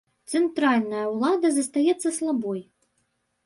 Цэнтральная ўлада застаецца слабой.